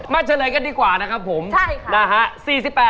มาเฉลยกันดีกว่านะครับผมใช่ค่ะ